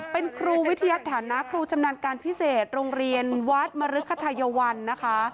เป็นครูวิทยาฐานะครูชำนาญการพิเศษโรงเรียนวัดมรึกคไทยวันนะคะ